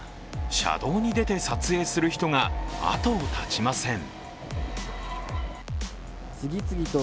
車道に出て撮影する人があとを絶ちません。